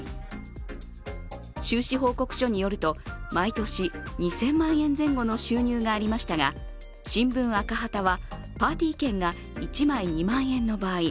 収支報告書によると毎年２０００万円前後の収入がありましたが「しんぶん赤旗」はパーティ券が１枚２万円分の場合